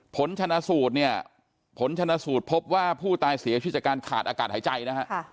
ผลชนะสูตรเนี่ยผลชนะสูตรพบว่าผู้ตายเสียชีวิตจากการขาดอากาศหายใจนะฮะ